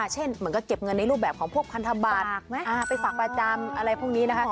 เช่นเหมือนก็เก็บเงินในรูปแบบของพวกพันธบัตรไปฝากประจำอะไรพวกนี้นะคะ